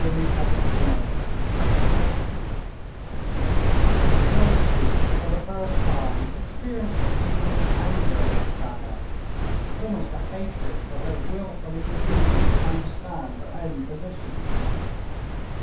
Chapter 33 Vronsky for the first time experienced a feeling of anger against Anna, almost a hatred for her willfully refusing to understand her own position.